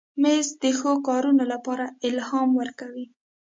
مېز د ښو کارونو لپاره الهام ورکوي.